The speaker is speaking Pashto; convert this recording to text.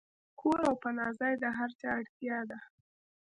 کور او پناه ځای د هر چا اړتیا ده.